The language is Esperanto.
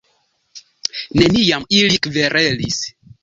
Neniam ili kverelis.